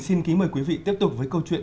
xin kính mời quý vị tiếp tục với câu chuyện